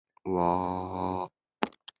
わあああああああ